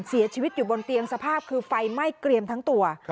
เสียชีวิตอยู่บนเตียงสภาพคือไฟไหม้เกรียมทั้งตัว